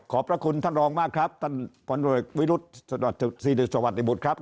ขอบพระคุณท่านรองมากครับท่านพันธุรกิจวิรุษสวัสดิบุตรครับ